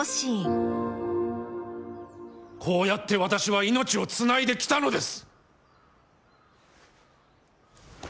こうやって私は命をつないできたのです！